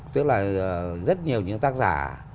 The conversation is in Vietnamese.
tức là rất nhiều những tác giả